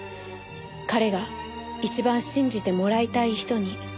彼が一番信じてもらいたい人に。